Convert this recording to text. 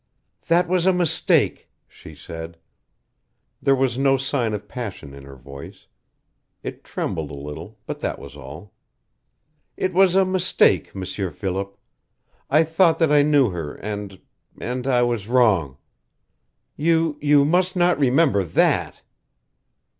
"That was a mistake," she said. There was no sign of passion in her voice. It trembled a little, but that was all. "It was a mistake, M'sieur Philip. I thought that I knew her, and and I was wrong. You you must not remember THAT!"